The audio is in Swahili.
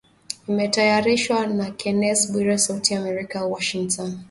Imetayarishwa na Kennes Bwire sauti ya Amerika Washington